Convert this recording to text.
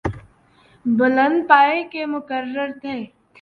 بلند پائے کے مقرر تھے۔